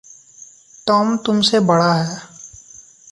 Tom तुम से बड़ा है।